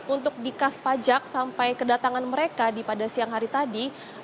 untuk dikas pajak sampai kedatangan mereka pada siang hari tadi